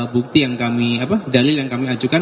bukti yang kami dalil yang kami ajukan